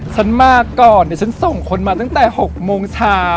ฉันมาก่อนเดี๋ยวฉันส่งคนมาตั้งแต่๖โมงเช้า